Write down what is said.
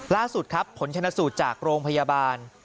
ล่าสุดครับผลชนะสูตรจากโรงพยาบาล